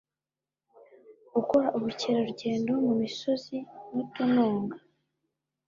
gukora ubukerarugendo mu misozi n utununga